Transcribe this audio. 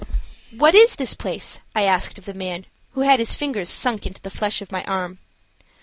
"What is this place?" I asked of the man, who had his fingers sunk into the flesh of my arm.